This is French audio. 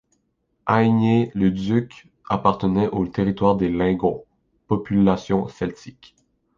Aignay-le-Duc appartenait au territoire des Lingons, population celtique.